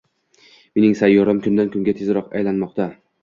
Mening sayyoram kundan kunga tezroq aylanmoqda